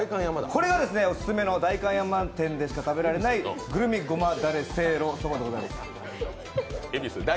これがオススメの代官山店でしか食べられないくるみごまだれせいろです。